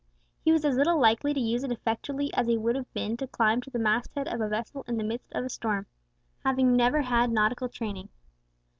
He was as little likely to use it effectually, as he would have been to climb to the mast head of a vessel in the midst of a storm, having never had nautical training.